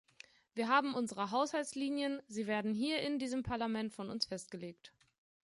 Wir haben unsere Haushaltslinien, sie werden hier in diesem Parlament von uns festgelegt.